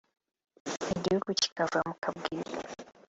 igihugu kikava mu kabwibwi